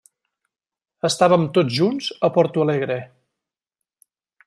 Estàvem tots junts a Porto Alegre.